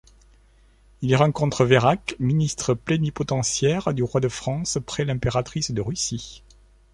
Il y rencontre Vérac, ministre plénipotentiaire du roi de France près l’impératrice de Russie.